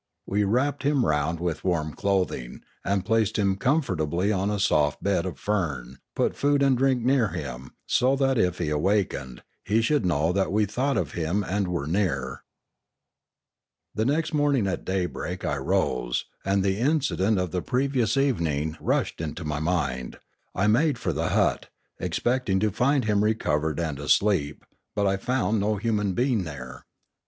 We wrapped him round with warm clothing, and placing him comfortably on a soft bed of fern put food and drink near him, so that, if he wakened, he should know we had thought of him and were near. The next morning at daybreak I rose, and the inci dent of the previous evening rushed into my mind. I made for the hut, expecting to find him recovered and asleep, but I found no human being there.